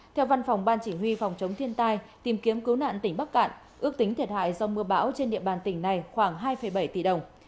theo văn phòng ban chỉ huy phòng chống thiên tai tìm kiếm cứu nạn tỉnh bắc cạn ước tính thiệt hại do mưa bão trên địa bàn tỉnh này khoảng hai bảy tỷ đồng